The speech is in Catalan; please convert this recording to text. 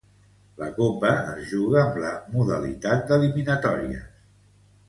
La copa es juga amb la modalitat d'eliminatòries.